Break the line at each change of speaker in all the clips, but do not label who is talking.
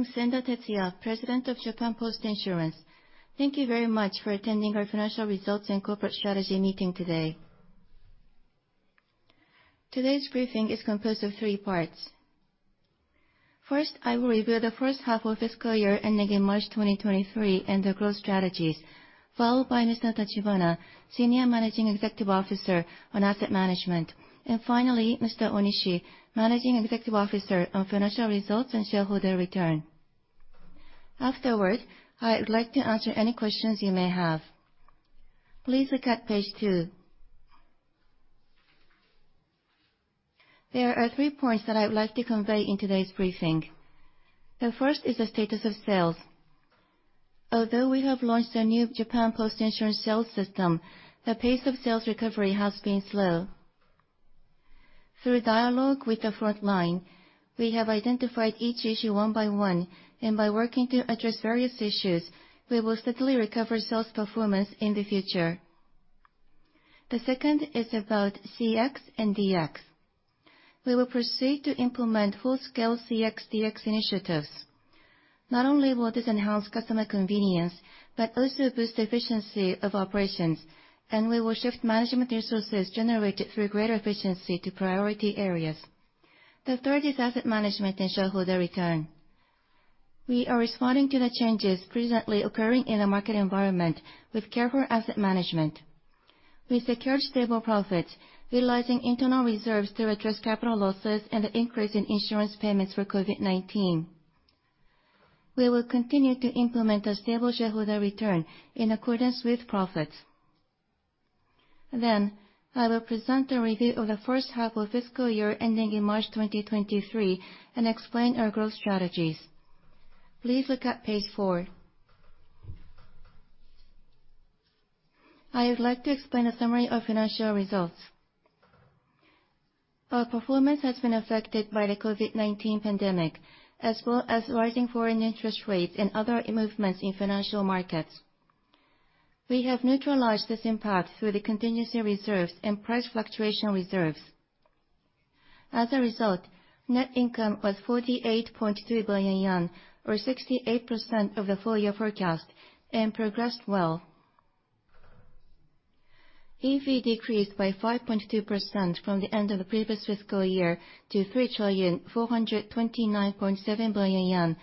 I am Senda Tetsuya, President of Japan Post Insurance. Thank you very much for attending our financial results and corporate strategy meeting today. Today's briefing is composed of three parts. First, I will review the first half of fiscal year ending in March 2023 and the growth strategies, followed by Mr. Tachibana, Senior Managing Executive Officer on Asset Management. Finally, Mr. Onishi, Managing Executive Officer on Financial Results and Shareholder Return. Afterwards, I would like to answer any questions you may have. Please look at page two. There are three points that I would like to convey in today's briefing. The first is the status of sales. Although we have launched a new Japan Post Insurance sales system, the pace of sales recovery has been slow. Through dialogue with the front line, we have identified each issue one by one, and by working to address various issues, we will steadily recover sales performance in the future. The second is about CX and DX. We will proceed to implement full-scale CX, DX initiatives. Not only will this enhance customer convenience, but also boost efficiency of operations. We will shift management resources generated through greater efficiency to priority areas. The third is asset management and shareholder return. We are responding to the changes presently occurring in the market environment with careful asset management. We secured stable profits, realizing internal reserves to address capital losses and the increase in insurance payments for COVID-19. We will continue to implement a stable shareholder return in accordance with profits. I will present a review of the first half of fiscal year ending in March 2023 and explain our growth strategies. Please look at page four. I would like to explain a summary of financial results. Our performance has been affected by the COVID-19 pandemic, as well as rising foreign interest rates and other movements in financial markets. We have neutralized this impact through the contingency reserves and price fluctuation reserves. As a result, net income was 48.3 billion yen, or 68% of the full year forecast, and progressed well. EV decreased by 5.2% from the end of the previous fiscal year to 3,429.7 billion yen,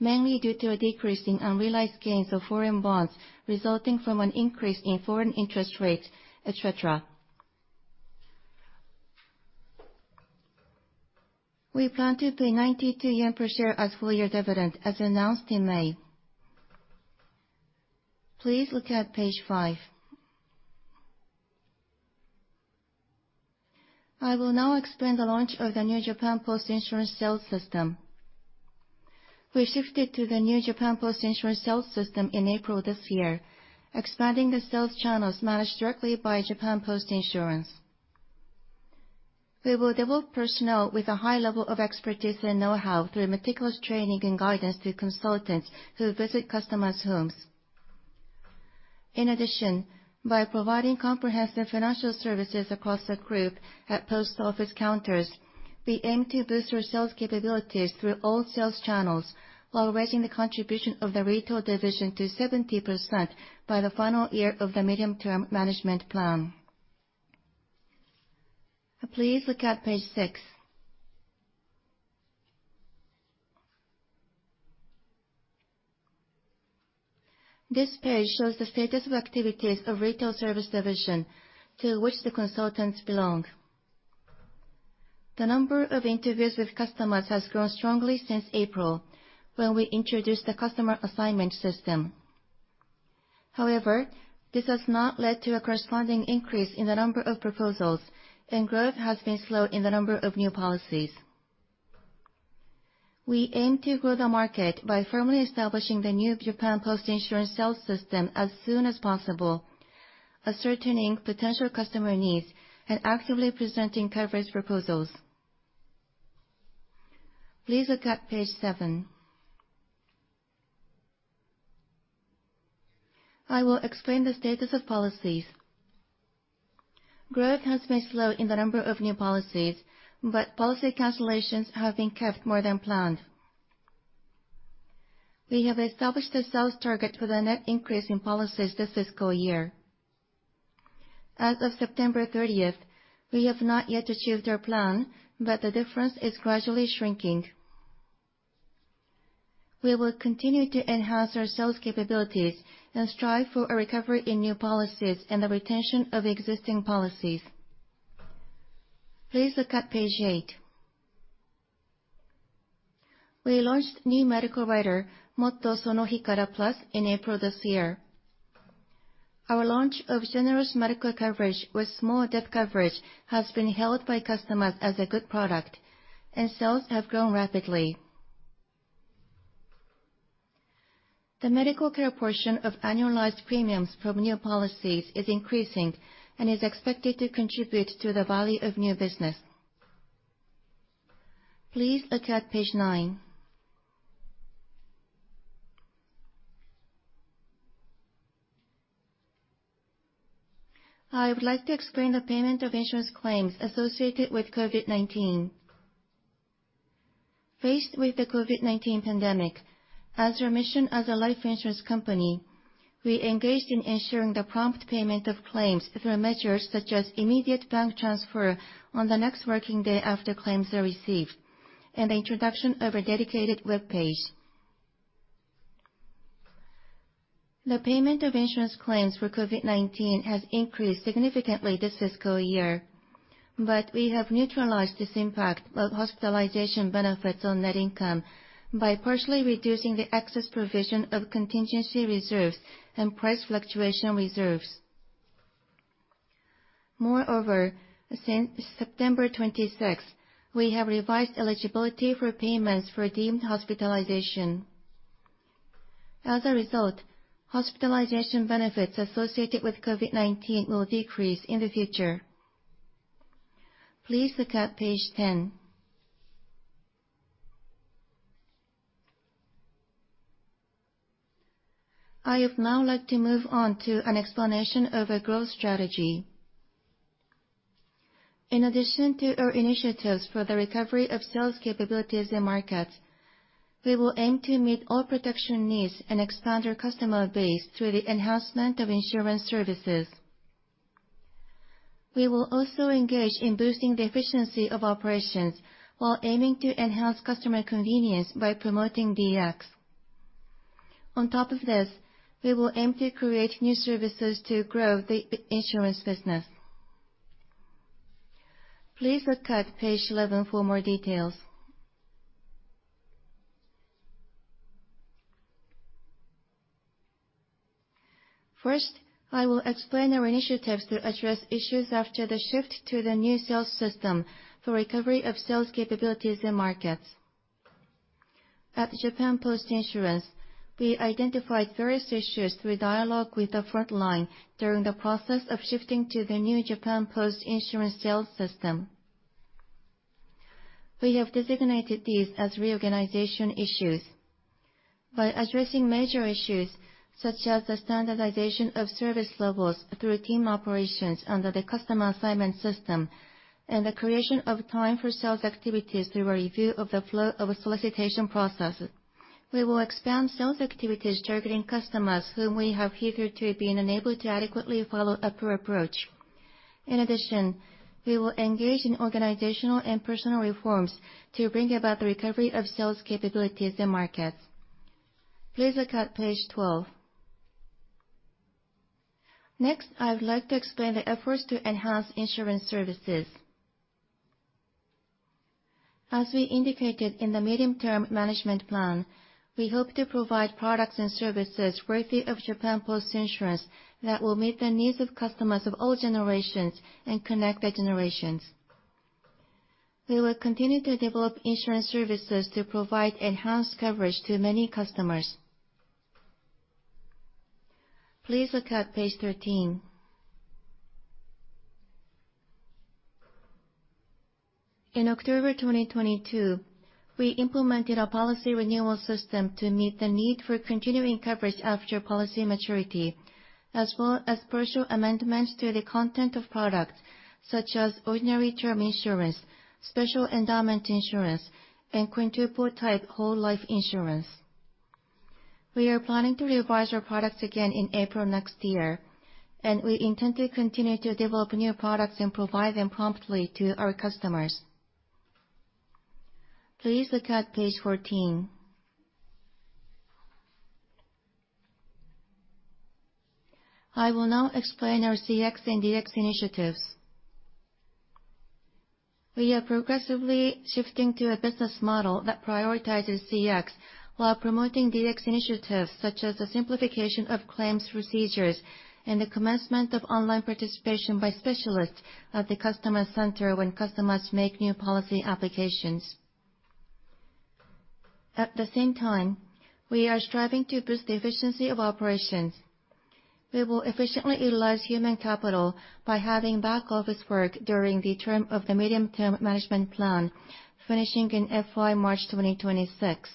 mainly due to a decrease in unrealized gains of foreign bonds resulting from an increase in foreign interest rates, et cetera. We plan to pay JPY 92 per share as full year dividend, as announced in May. Please look at page five. I will now explain the launch of the new Japan Post Insurance sales system. We shifted to the new Japan Post Insurance sales system in April this year, expanding the sales channels managed directly by Japan Post Insurance. We will develop personnel with a high level of expertise and know-how through meticulous training and guidance to consultants who visit customers' homes. In addition, by providing comprehensive financial services across the group at post office counters, we aim to boost our sales capabilities through all sales channels while raising the contribution of the retail division to 70% by the final year of the Medium-Term Management Plan. Please look at page six. This page shows the status of activities of Retail Service Division to which the consultants belong. The number of interviews with customers has grown strongly since April, when we introduced the customer assignment system. This has not led to a corresponding increase in the number of proposals, and growth has been slow in the number of new policies. We aim to grow the market by firmly establishing the new Japan Post Insurance sales system as soon as possible, ascertaining potential customer needs and actively presenting coverage proposals. Please look at page seven. I will explain the status of policies. Growth has been slow in the number of new policies, Policy cancellations have been kept more than planned. We have established a sales target for the net increase in policies this fiscal year. As of September 30th, we have not yet achieved our plan, the difference is gradually shrinking. We will continue to enhance our sales capabilities and strive for a recovery in new policies and the retention of existing policies. Please look at page eight. We launched new medical rider. Please look at page nine. I would like to explain the payment of insurance claims associated with COVID-19. Faced with the COVID-19 pandemic, as our mission as a life insurance company, we engaged in ensuring the prompt payment of claims through measures such as immediate bank transfer on the next working day after claims are received, and the introduction of a dedicated webpage. The payment of insurance claims for COVID-19 has increased significantly this fiscal year. We have neutralized this impact of hospitalization benefits on net income by partially reducing the excess provision of contingency reserves and price fluctuation reserves. Since September 26th, we have revised eligibility for payments for deemed hospitalization. As a result, hospitalization benefits associated with COVID-19 will decrease in the future. Please look at page 10. I would now like to move on to an explanation of our growth strategy. In addition to our initiatives for the recovery of sales capabilities in markets, we will aim to meet all protection needs and expand our customer base through the enhancement of insurance services. We will also engage in boosting the efficiency of operations, while aiming to enhance customer convenience by promoting DX. On top of this, we will aim to create new services to grow the insurance business. Please look at page 11 for more details. First, I will explain our initiatives to address issues after the shift to the new sales system for recovery of sales capabilities in markets. At Japan Post Insurance, we identified various issues through dialogue with the front line during the process of shifting to the new Japan Post Insurance sales system. We have designated these as reorganization issues. By addressing major issues, such as the standardization of service levels through team operations under the customer assignment system, and the creation of time for sales activities through a review of the flow of a solicitation process, we will expand sales activities targeting customers whom we have hitherto been unable to adequately follow up or approach. We will engage in organizational and personal reforms to bring about the recovery of sales capabilities in markets. Please look at page 12. I would like to explain the efforts to enhance insurance services. As we indicated in the Medium-Term Management Plan, we hope to provide products and services worthy of Japan Post Insurance that will meet the needs of customers of all generations and connect the generations. We will continue to develop insurance services to provide enhanced coverage to many customers. Please look at page 13. In October 2022, we implemented a policy renewal system to meet the need for continuing coverage after policy maturity, as well as partial amendments to the content of products such as ordinary term insurance, special endowment insurance, and quintuple type whole life insurance. We are planning to revise our products again in April next year, and we intend to continue to develop new products and provide them promptly to our customers. Please look at page 14. I will now explain our CX and DX initiatives. We are progressively shifting to a business model that prioritizes CX, while promoting DX initiatives such as the simplification of claims procedures and the commencement of online participation by specialists at the customer center when customers make new policy applications. At the same time, we are striving to boost the efficiency of operations. We will efficiently utilize human capital by having back-office work during the term of the Medium-Term Management Plan, finishing in FY March 2026.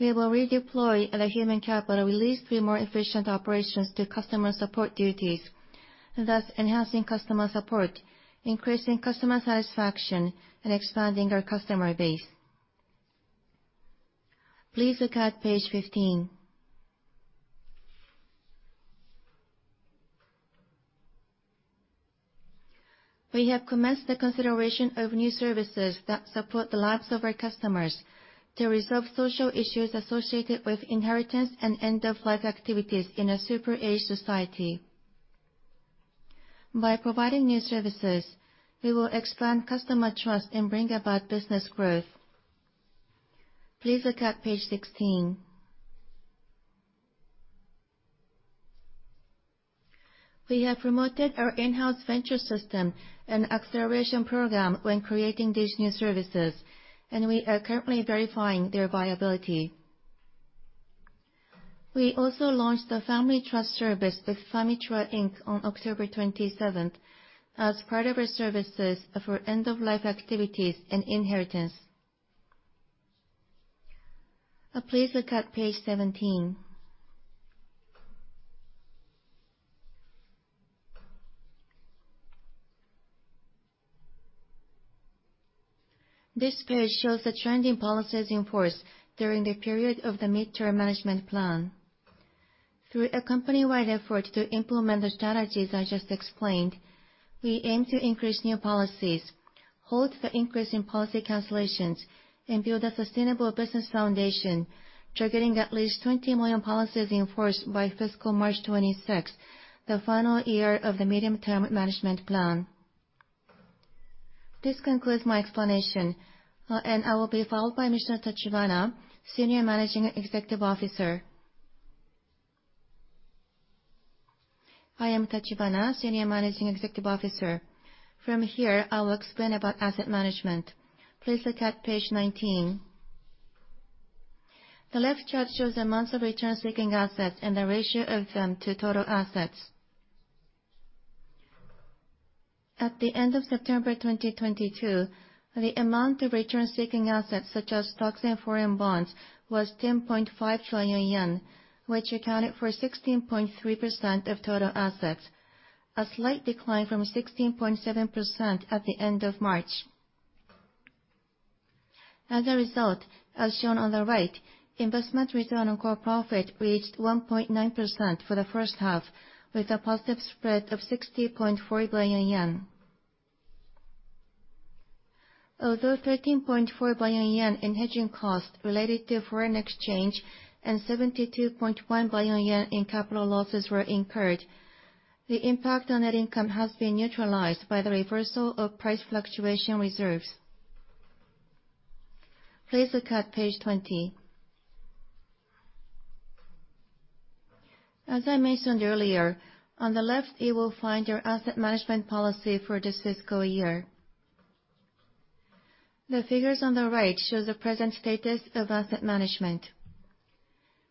We will redeploy the human capital released through more efficient operations to customer support duties, and thus enhancing customer support, increasing customer satisfaction, and expanding our customer base. Please look at page 15. We have commenced the consideration of new services that support the lives of our customers to resolve social issues associated with inheritance and end of life activities in a super aged society. By providing new services, we will expand customer trust and bring about business growth. Please look at page 16. We have promoted our in-house venture system and acceleration program when creating these new services, and we are currently verifying their viability. We also launched the Family Trust Service with Famitra Inc. on October 27th as part of our services for end of life activities and inheritance. Please look at page 17. This page shows the trending policies in force during the period of the Medium-Term Management Plan. Through a company-wide effort to implement the strategies I just explained, we aim to increase new policies, halt the increase in policy cancellations, and build a sustainable business foundation, targeting at least 20 million policies in force by fiscal March 26th, the final year of the Medium-Term Management Plan. This concludes my explanation, and I will be followed by Mr. Tachibana, Senior Managing Executive Officer.
I am Tachibana, Senior Managing Executive Officer. From here, I will explain about asset management. Please look at page 19. The left chart shows the amounts of return-seeking assets and the ratio of them to total assets. At the end of September 2022, the amount of return-seeking assets, such as stocks and foreign bonds, was 10.5 trillion yen, which accounted for 16.3% of total assets, a slight decline from 16.7% at the end of March. As a result, as shown on the right, investment return on core profit reached 1.9% for the first half, with a positive spread of 60.4 billion yen. Although 13.4 billion yen in hedging costs related to foreign exchange and 72.1 billion yen in capital losses were incurred, the impact on net income has been neutralized by the reversal of price fluctuation reserves. Please look at page 20. As I mentioned earlier, on the left you will find our asset management policy for this fiscal year. The figures on the right show the present status of asset management.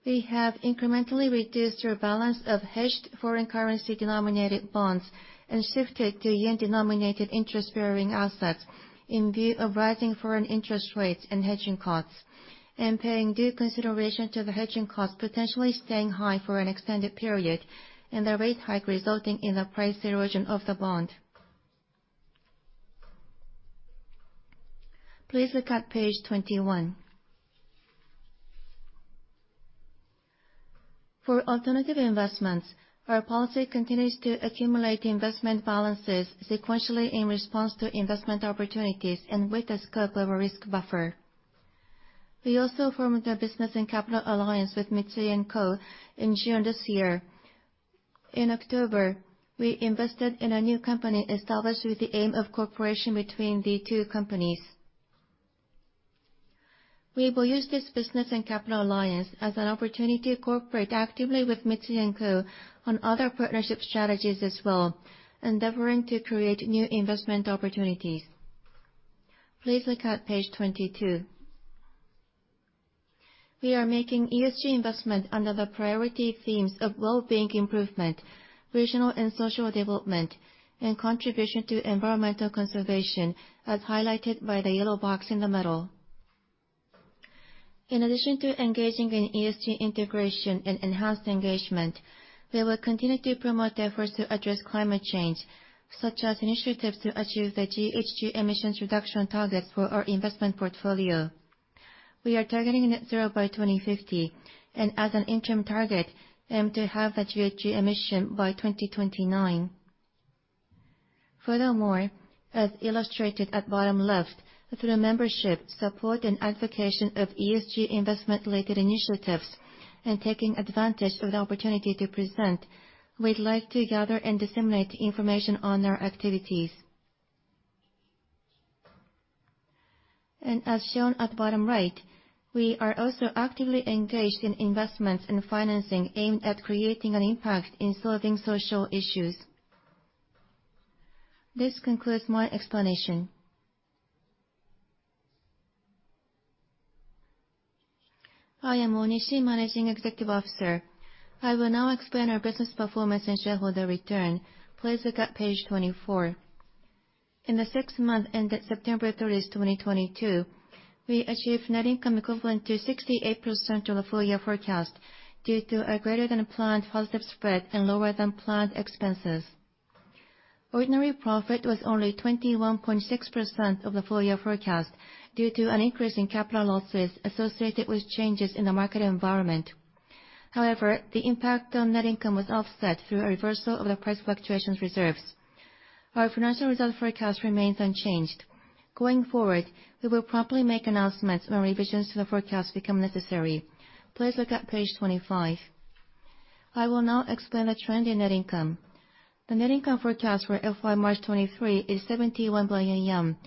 We have incrementally reduced our balance of hedged foreign currency-denominated bonds and shifted to yen-denominated interest-bearing assets in view of rising foreign interest rates and hedging costs, and paying due consideration to the hedging costs potentially staying high for an extended period and the rate hike resulting in the price erosion of the bond. Please look at page 21. For alternative investments, our policy continues to accumulate investment balances sequentially in response to investment opportunities and with the scope of a risk buffer. We also formed a business and capital alliance with Mitsui & Co in June this year. In October, we invested in a new company established with the aim of cooperation between the two companies. We will use this business and capital alliance as an opportunity to cooperate actively with Mitsui & Co on other partnership strategies as well, endeavoring to create new investment opportunities. Please look at page 22. We are making ESG investment under the priority themes of well-being improvement, regional and social development, and contribution to environmental conservation, as highlighted by the yellow box in the middle. In addition to engaging in ESG integration and enhanced engagement, we will continue to promote efforts to address climate change, such as initiatives to achieve the GHG emissions reduction target for our investment portfolio. We are targeting net zero by 2050. As an interim target, aim to halve the GHG emissions by 2029. Furthermore, as illustrated at bottom left, through membership, support, and advocation of ESG investment-related initiatives and taking advantage of the opportunity to present, we'd like to gather and disseminate information on our activities. As shown at bottom right, we are also actively engaged in investments and financing aimed at creating an impact in solving social issues. This concludes my explanation.
I am Onishi, Managing Executive Officer. I will now explain our business performance and shareholder return. Please look at page 24. In the sixth month ended September 30, 2022, we achieved net income equivalent to 68% of the full year forecast due to a greater than planned positive spread and lower than planned expenses. Ordinary profit was only 21.6% of the full year forecast due to an increase in capital losses associated with changes in the market environment. The impact on net income was offset through a reversal of the price fluctuations reserves. Our financial reserve forecast remains unchanged. Going forward, we will promptly make announcements when revisions to the forecast become necessary. Please look at page 25. I will now explain the trend in net income. The net income forecast for FY March 2023 is 71 billion yen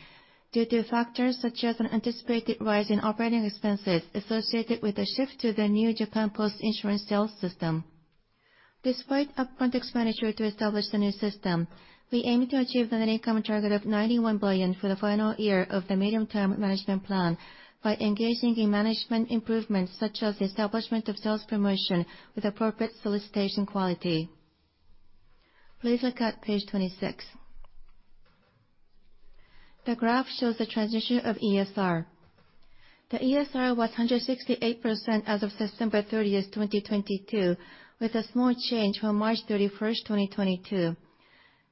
due to factors such as an anticipated rise in operating expenses associated with the shift to the new Japan Post Insurance sales system. Despite upfront expenditure to establish the new system, we aim to achieve the net income target of 91 billion for the final year of the Medium-Term Management Plan by engaging in management improvements such as the establishment of sales promotion with appropriate solicitation quality. Please look at page 26. The graph shows the transition of ESR. The ESR was 168% as of September 30, 2022, with a small change from March 31, 2022.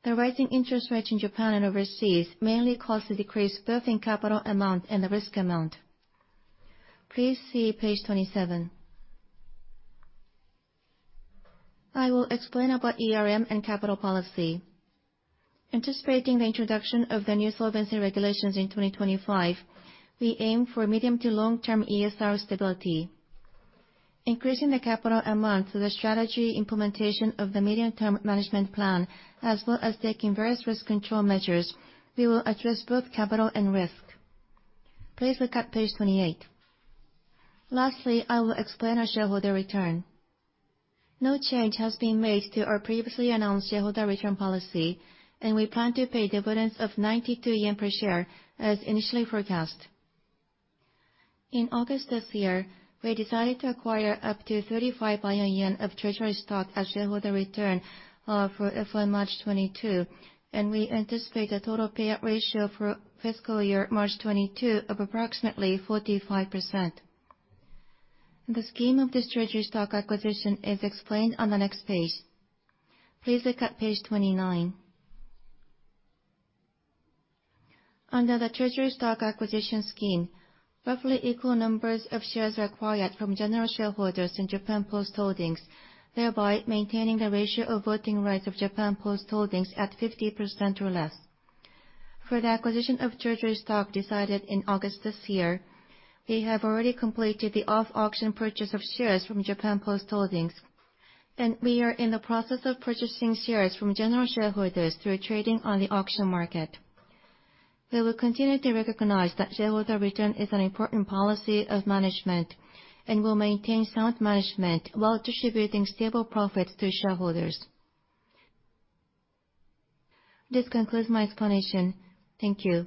The rising interest rates in Japan and overseas mainly caused the decrease both in capital amount and the risk amount. Please see page 27. I will explain about ERM and capital policy. Anticipating the introduction of the new solvency regulations in 2025, we aim for medium to long-term ESR stability. Increasing the capital amount through the strategy implementation of the Medium-Term Management Plan, as well as taking various risk control measures, we will address both capital and risk. Please look at page 28. Lastly, I will explain our shareholder return. No change has been made to our previously announced shareholder return policy, and we plan to pay dividends of 92 yen per share as initially forecast. In August this year, we decided to acquire up to 35 billion yen of treasury stock as shareholder return for March 2022, and we anticipate a total payout ratio for fiscal year March 2022 of approximately 45%. The scheme of this treasury stock acquisition is explained on the next page. Please look at page 29. Under the treasury stock acquisition scheme, roughly equal numbers of shares acquired from general shareholders in Japan Post Holdings, thereby maintaining the ratio of voting rights of Japan Post Holdings at 50% or less. For the acquisition of treasury stock decided in August this year, we have already completed the off-auction purchase of shares from Japan Post Holdings. We are in the process of purchasing shares from general shareholders through trading on the auction market. We will continue to recognize that shareholder return is an important policy of management and will maintain sound management while distributing stable profits to shareholders. This concludes my explanation. Thank you.